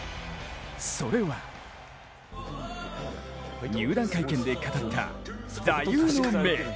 それは入団会見で語った座右の銘。